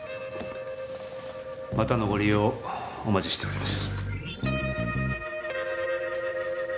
またのご利用をお待ちしております。